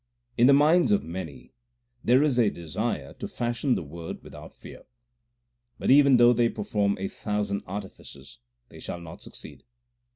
In the minds of many there is a desire to fashion the Word without fear ; But even though they perform a thousand artifices they shall not succeed.